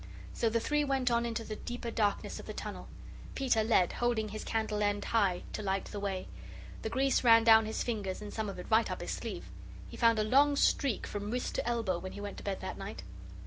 So the three went on into the deeper darkness of the tunnel. Peter led, holding his candle end high to light the way. The grease ran down his fingers, and some of it right up his sleeve. He found a long streak from wrist to elbow when he went to bed that night.